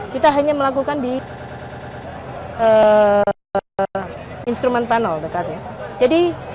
kita hanya melakukan di instrument panel dekatnya